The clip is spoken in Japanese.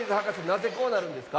なぜこうなるんですか？